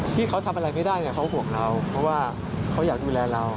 ที่เขาทำอะไรไม่ได้เขาห่วงเราเพราะว่าเขาอยากดูแลเรา